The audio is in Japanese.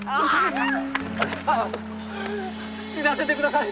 死なせて下さい。